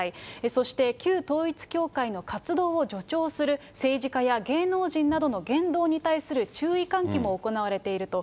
そして、旧統一教会の活動を助長する政治家や芸能人などの言動に対する注意喚起も行われていると。